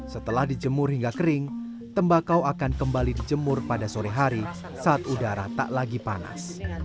setelah dijemur hingga kering tembakau akan kembali dijemur pada sore hari saat udara tak lagi panas